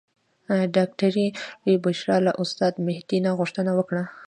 ډاکټرې بشرا له استاد مهدي نه غوښتنه وکړه.